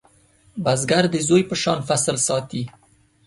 بزګر د زوی په شان فصل ساتي